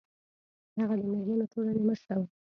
هغه د میرمنو ټولنې مشره وه